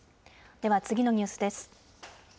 では、次のニュースです。